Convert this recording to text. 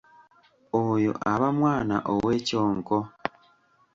Oyo aba mwana ow'ekyonko.